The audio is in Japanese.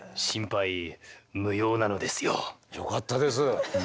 よかったです。